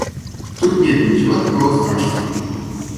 Тут нет ничего такого страшного.